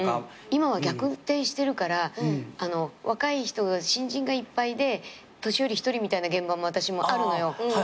今は逆転してるから若い人新人がいっぱいで年寄り１人みたいな現場も私もあるのよ。